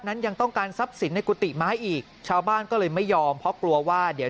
นั้นยังต้องการทรัพย์สินในกุฏิไม้อีกชาวบ้านก็เลยไม่ยอมเพราะกลัวว่าเดี๋ยว